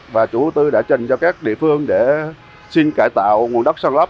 và chủ tư đã trình cho các địa phương để xin cải tạo nguồn đất sát lấp